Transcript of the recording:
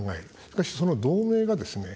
しかし、その同盟がですね